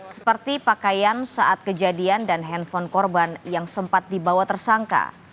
seperti pakaian saat kejadian dan handphone korban yang sempat dibawa tersangka